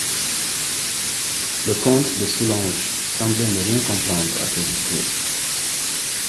Le comte de Soulanges semblait ne rien comprendre à ce discours.